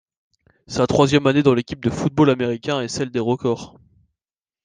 Sa troisième année dans l'équipe de football américain est celle des records.